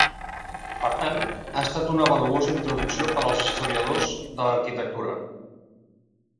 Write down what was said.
Per tant, ha estat una valuosa introducció per als historiadors de l'arquitectura.